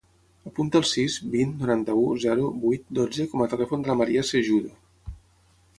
Apunta el sis, vint, noranta-u, zero, vuit, dotze com a telèfon de la Maria Cejudo.